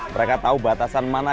mereka tahu batasan mana